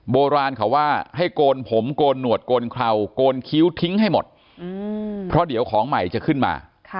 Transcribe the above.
โบราณเขาว่าให้โกนผมโกนหนวดโกนเคราโกนคิ้วทิ้งให้หมดเพราะเดี๋ยวของใหม่จะขึ้นมา